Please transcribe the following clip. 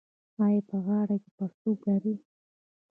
ایا په غاړه کې پړسوب لرئ؟